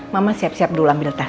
mama siap siap dulu ambil teh